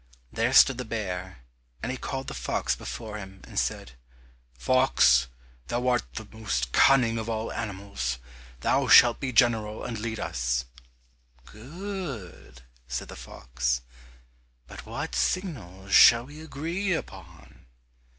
There stood the bear, and he called the fox before him and said, "Fox, thou art the most cunning of all animals, thou shalt be general and lead us." "Good," said the fox, "but what signal shall we agree upon?"